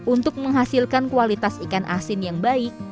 untuk menghasilkan kualitas ikan asin yang baik